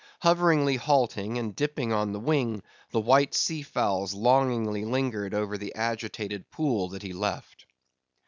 Hoveringly halting, and dipping on the wing, the white sea fowls longingly lingered over the agitated pool that he left.